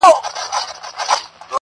غټ منګول تېره مشوکه په کارېږي!!